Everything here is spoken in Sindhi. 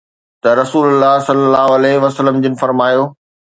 ته رسول الله صلي الله عليه وسلم جن فرمايو